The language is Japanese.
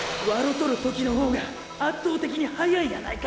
とる時のほうが圧倒的に速いやないか！